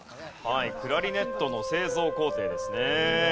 クラリネットの製造工程ですね。